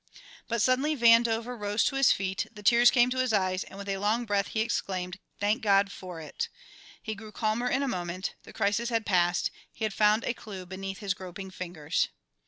But suddenly Vandover rose to his feet, the tears came to his eyes, and with a long breath he exclaimed: "Thank God for it!" He grew calmer in a moment, the crisis had passed, he had found a clue beneath his groping fingers.